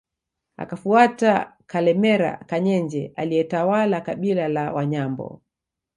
Akafuata Kalemera Kanyenje aliyetawala kabila la Wanyambo